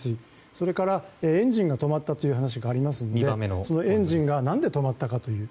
それから、エンジンが止まったという話がありますがそのエンジンが何で止まったかという。